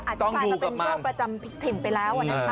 อาจจะกลายเป็นโรคประจำถิ่นไปแล้ว